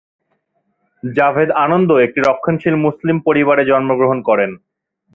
জাভেদ আনন্দ একটি রক্ষণশীল মুসলিম পরিবারে জন্মগ্রহণ করেন।